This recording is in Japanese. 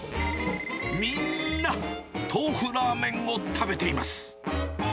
みんな豆腐ラーメンを食べています。